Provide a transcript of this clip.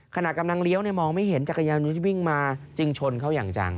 ขณะกำลังเลี้ยวมองไม่เห็นจักรยานยนต์วิ่งมาจึงชนเขาอย่างจัง